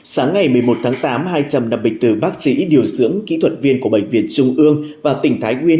sáng ngày một mươi một tháng tám hai trăm năm mươi tử bác sĩ điều dưỡng kỹ thuật viên của bệnh viện trung ương và tỉnh thái nguyên